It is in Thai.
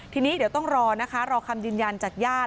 ทีนี้เดี๋ยวต้องรอนะคะรอคำยืนยันจากญาติ